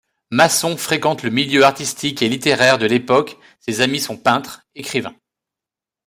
Masson fréquente le milieu artistique et littéraire de l'époque, ses amis sont peintres, écrivains.